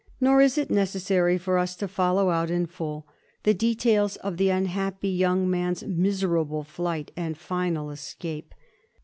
Nor is it neces sary for us to follow out in full the details of the unhappy young man's miserable flight and final escape.